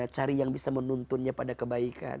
cari yang bisa menuntunnya pada kebaikan